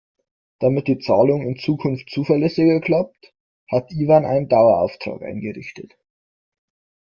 Damit die Zahlung in Zukunft zuverlässiger klappt, hat Iwan einen Dauerauftrag eingerichtet.